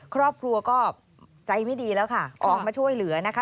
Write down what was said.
ครอบครัวก็ใจไม่ดีแล้วค่ะออกมาช่วยเหลือนะคะ